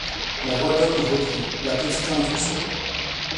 La voix d’homme reprit :— La petite a un trousseau ?